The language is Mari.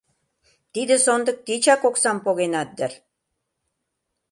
Тиде сондык тичак оксам погенат дыр!